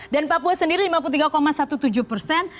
dan papua sendiri lima puluh tiga tujuh belas persen